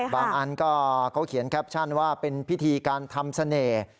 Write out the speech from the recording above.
อันก็เขาเขียนแคปชั่นว่าเป็นพิธีการทำเสน่ห์